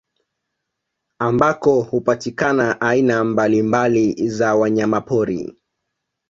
Ambako hupatikana aina mbalimbali za wanyamapori